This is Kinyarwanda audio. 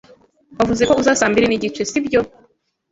Wavuze ko uza saa mbiri n'igice, sibyo?